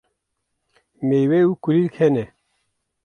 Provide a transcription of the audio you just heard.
meywe û kulîlk hene.